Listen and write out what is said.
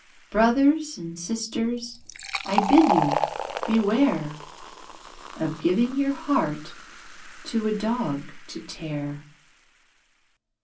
Brothers and Sisters, I bid you beware Of giving your heart to a dog to tear.